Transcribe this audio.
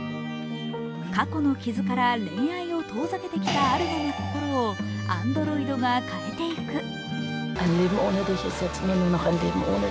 過去の傷から恋愛を遠ざけてきたアルマの心をアンドロイドが変えていく。